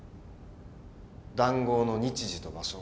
談合の日時と場所。